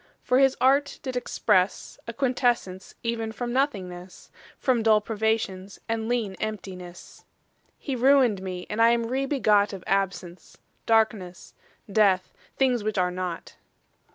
For his art did expresse A quintessence even from nothingnesse, From dull privations, and leane emptinesse: He ruin'd mee, and I am re begot Of absence, darknesse, death; things which are not.